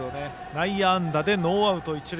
内野安打でノーアウト、一塁。